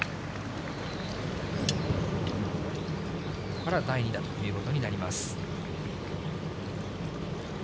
ここから第２打ということになります。